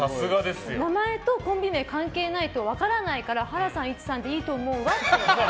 名前とコンビ名関係ないと分からないからハラさんイチさんでいいと思うわって。